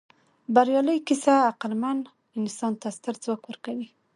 بریالۍ کیسه عقلمن انسان ته ستر ځواک ورکوي.